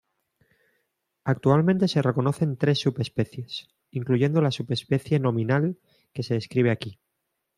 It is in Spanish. Actualmente se reconocen tres subespecies, incluyendo la subespecie nominal que se describe aquí.